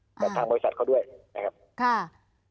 อ่าในทางบริษัทเขาด้วยนะครับครับ